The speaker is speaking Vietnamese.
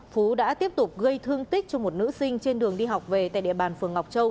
phú đã tiếp tục gây thương tích cho một nữ sinh trên đường đi học về tại địa bàn phường ngọc châu